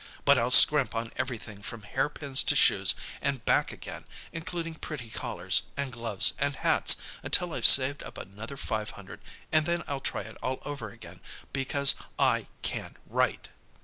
But I'll scrimp on everything from hairpins to shoes, and back again, including pretty collars, and gloves, and hats, until I've saved up another five hundred, and then I'll try it all over again, because I can write."